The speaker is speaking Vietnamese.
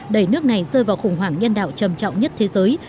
đẩy nước này rơi vào khủng hoảng nhân đạo trầm trọng nhất thế giới